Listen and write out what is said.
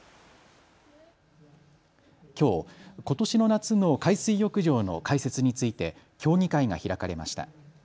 きょう、ことしの夏の海水浴場の開設について協議会が開かれました。